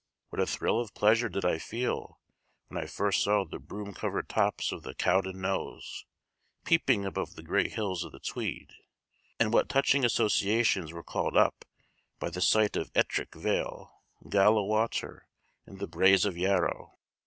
What a thrill of pleasure did I feel when first I saw the broom covered tops of the Cowden Knowes, peeping above the gray hills of the Tweed: and what touching associations were called up by the sight of Ettrick Vale, Galla Water, and the Braes of Yarrow!